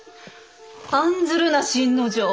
案ずるな新之丞。